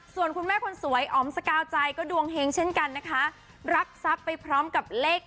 ส่วนคุณแม่คนสวยออมสกาวใจก็ดวงเหงเช่นกันนะคะ